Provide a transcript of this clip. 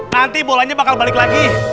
nanti bolanya bakal balik lagi